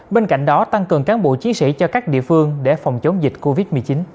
bên cạnh đó tăng cường cán bộ chiến sĩ cho các địa phương để phòng chống dịch covid một mươi chín